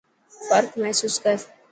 فرق محسوس ڪر.